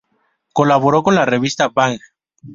Colaboró con la revista Bang!